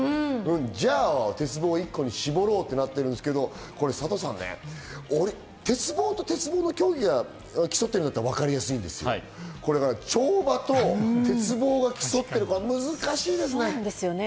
じゃあ、鉄棒１個に絞ろうとなってるわけですけれど、鉄棒と鉄棒が競ってるんだったらわかりやすいんですけど、跳馬と鉄棒が競ってると難しいですよね。